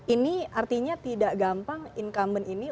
ini artinya tidak gampang incumbent ini